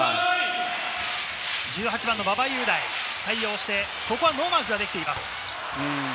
１８番の馬場雄大、ここはノーマークができています。